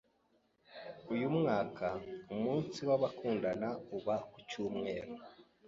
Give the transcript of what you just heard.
Uyu mwaka, umunsi w'abakundana uba ku cyumweru.